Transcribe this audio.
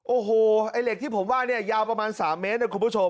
โอ้โหไอ้เหล็กที่ผมว่าเนี่ยยาวประมาณ๓เมตรนะคุณผู้ชม